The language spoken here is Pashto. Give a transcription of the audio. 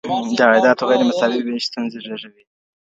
د عایداتو غیر مساوي ویش ستونزي زیږوي.